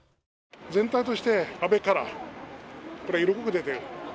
全体として安倍カラー、これ、色濃く出ている。